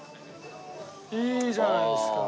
いいじゃないですか。